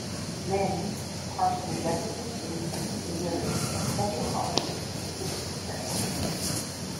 Linn is part of the Jefferson City, Missouri Metropolitan Statistical Area.